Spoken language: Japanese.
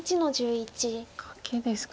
カケですか。